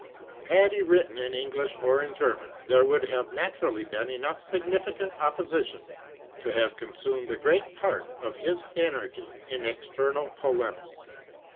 Had he written in English or in German there would have naturally been enough significant opposition to have consumed a great part of his energy in external polemic.